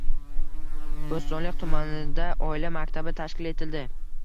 Bo‘stonliq tumanida “Oila maktabi” tashkil etildi